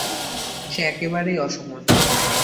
সে একেবারেই অসমর্থ।